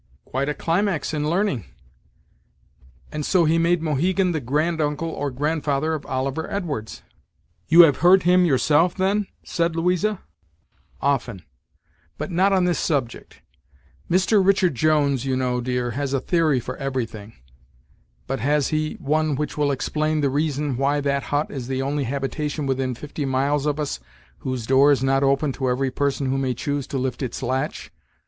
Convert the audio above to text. "Quite a climax in learning'. And so he made Mohegan the granduncle or grandfather of Oliver Edwards." "You have heard him yourself, then?" said Louisa. "Often; but not on this subject. Mr. Richard Jones, you know, dear, has a theory for everything; but has he one which will explain the reason why that hut is the only habitation within fifty miles of us whose door is not open to every person who may choose to lift its latch?"